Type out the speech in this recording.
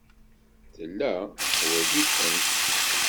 Tella teḥwaj-ikent.